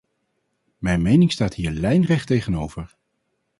Mijn mening staat hier lijnrecht tegenover.